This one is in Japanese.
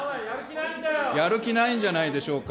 やる気ないんじゃないでしょうか。